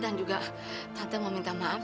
dan juga tante mau minta maaf